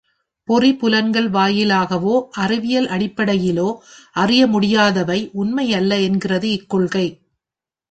பொறி புலன்கள் வாயிலாகவோ அறிவியல் அடிப்படையிலோ அறிய முடியாதவை உண்மையல்ல என்கிறது இக் கொள்கை.